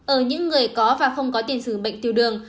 ở những người có và không có tiền sử bệnh tiêu đường